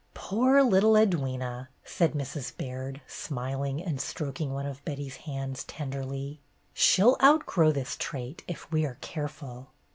"Poor little Edwyna!" said Mrs. Baird, smiling, and stroking one of Betty's hands tenderly. "She 'll outgrow this trait, if we are careful."